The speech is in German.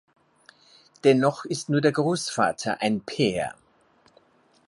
Dennoch ist nur der Großvater ein Peer.